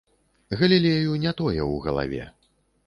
Галілею не тое ў галаве.